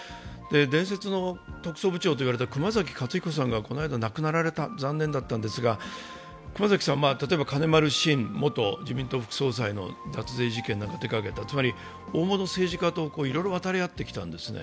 伝説の特捜部長と言われた熊崎さんがこの間亡くなられた、残念だったんですが、熊崎さんは金丸信元自民党副総裁の脱税事件なんかを手掛けた、つまり大物政治家といろいろ渡り合ってきたんですね。